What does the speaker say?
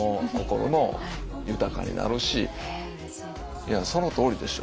いやそのとおりでしょ。